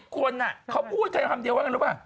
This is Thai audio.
๑๐คนเขาพูดใครคำเดียวกันรู้ป่ะ